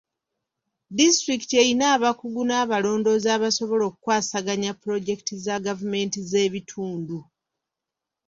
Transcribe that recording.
Disitulikiti erina abakugu n'abalondoozi abasobola okukwasaganya puloojekiti za gavumenti z'ebitundu.